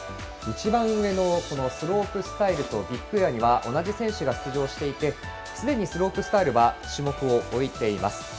一番上のスロープスタイルとビッグエアには同じ選手が出場していてすでにスロープスタイルは種目を終えています。